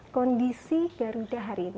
kondisi garuda hari ini